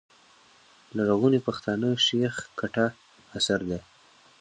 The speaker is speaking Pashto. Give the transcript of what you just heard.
لرغوني پښتانه، شېخ کټه اثر دﺉ.